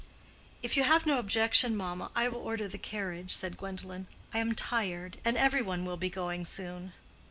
"If you have no objection, mamma, I will order the carriage," said Gwendolen. "I am tired. And every one will be going soon."